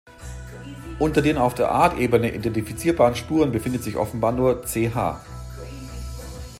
Unter den auf Artebene identifizierbaren Spuren befindet sich offenbar nur "Ch.